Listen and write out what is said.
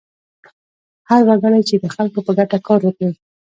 هر وګړی چې د خلکو په ګټه کار وکړي.